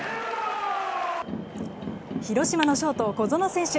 広島のショート、小園選手